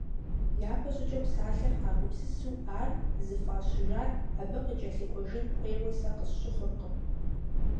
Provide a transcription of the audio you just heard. Япэ щӀыкӀэ псалъэр къагупсысу ар зыфӀащыжар абы къыкӀэлъыкӀуэжын хуейуэ сэ къысщыхъуркъым.